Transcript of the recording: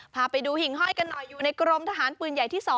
พาไปดูหิ่งห้อยกันหน่อยอยู่ในกรมทหารปืนใหญ่ที่๒